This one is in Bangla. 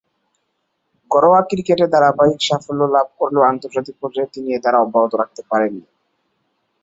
ঘরোয়া ক্রিকেটে ধারাবাহিক সাফল্য লাভ করলেও আন্তর্জাতিক পর্যায়ে তিনি এ ধারা অব্যাহত রাখতে পারেননি।